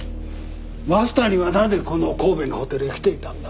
増谷はなぜこの神戸のホテルへ来ていたんだ？